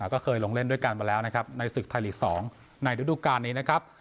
ก็เคยลงเล่นด้วยกันมาแล้วนะครับในศึกไทยลีก๒ในฤดูการนี้นะครับ